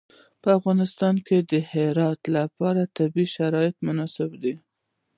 په افغانستان کې د هرات لپاره طبیعي شرایط مناسب دي.